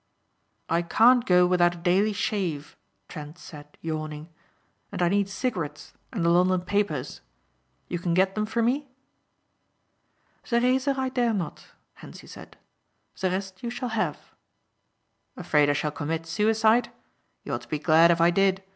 "I can't go without a daily shave," Trent said yawning. "And I need cigarettes and the London papers. You can get them for me?" "The razor I dare not," Hentzi said. "The rest you shall have." "Afraid I shall commit suicide? You ought to be glad if I did.